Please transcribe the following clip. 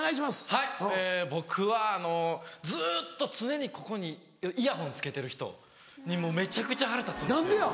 はい僕はあのずっと常にここにイヤホン着けてる人にもうめちゃくちゃ腹立つんです。